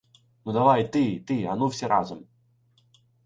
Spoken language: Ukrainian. Ну — давай ти! Ти! Ану всі разом!